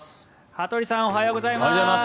羽鳥さんおはようございます。